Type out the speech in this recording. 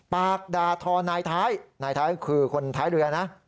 ปากด่าทอนายท้ายนายท้ายก็คือคนท้ายเรือนะ